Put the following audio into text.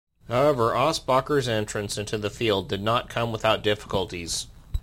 However, Aschbacher's entrance into the field did not come without difficulties.